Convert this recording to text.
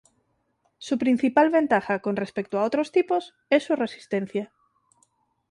Su principal ventaja con respecto a otros tipos es su resistencia.